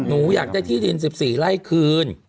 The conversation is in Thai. หนูอยากได้ที่ดิน๑๔ไร่คืน